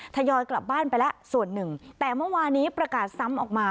ยอยกลับบ้านไปแล้วส่วนหนึ่งแต่เมื่อวานี้ประกาศซ้ำออกมา